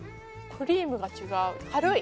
クリームが違う軽い。